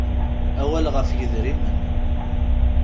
Awal ɣef yidrimen.